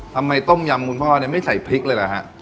ทำไมต้มยำคุณพ่อไม่ใส่พริกเลยล่ะฮะ